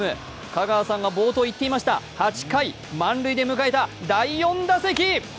香川さんが冒頭言っていました８回満塁で迎えた第４打席。